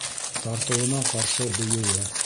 Тартыуына ҡаршы бейеүе.